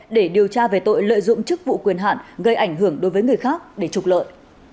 để điều tra về tội lợi dụng chức vụ quyền hạn gây ảnh hưởng đối với người khác để trục lợi